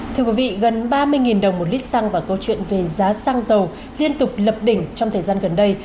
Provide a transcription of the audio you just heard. thưa quý vị gần ba mươi đồng một lít xăng và câu chuyện về giá xăng dầu liên tục lập đỉnh trong thời gian gần đây